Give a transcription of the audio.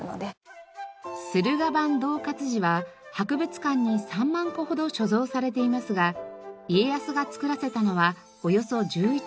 駿河版銅活字は博物館に３万個ほど貯蔵されていますが家康が作らせたのはおよそ１１万個。